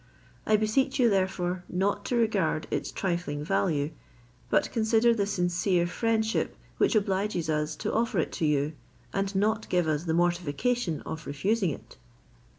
I beseech you therefore not to regard its trifling value, but consider the sincere friendship which obliges us to offer it to you, and not give us the mortification of refusing it."